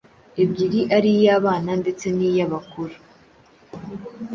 ebyiri ari iyabana ndetse niya abakuru